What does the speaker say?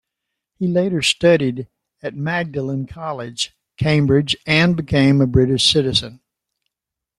He later studied at Magdalene College, Cambridge, and became a British citizen.